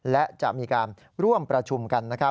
และจะมีการร่วมประชุมกัน